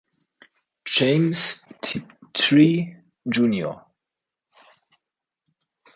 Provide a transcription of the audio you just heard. James Tiptree, Jr.